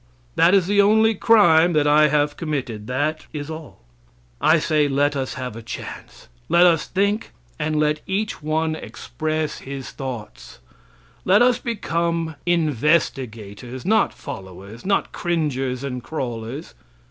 That is the only crime that I have committed. That is all. I say, let us have a chance. Let us think, and let each one express his thoughts. Let us become investigators, not followers; not cringers and crawlers.